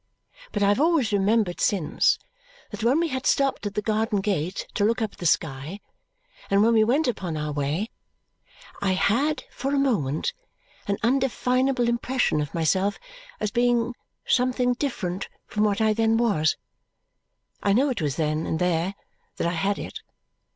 But I have always remembered since that when we had stopped at the garden gate to look up at the sky, and when we went upon our way, I had for a moment an undefinable impression of myself as being something different from what I then was. I know it was then and there that I had it.